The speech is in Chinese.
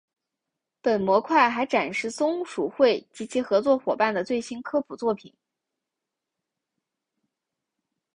本模块还展示松鼠会及其合作伙伴的最新科普作品。